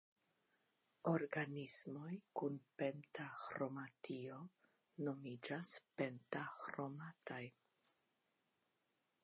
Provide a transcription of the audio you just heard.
Organismoj kun pentaĥromatio nomiĝas "pentaĥromatiaj".